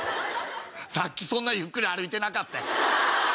さっきそんなゆっくり歩いてなかったやん。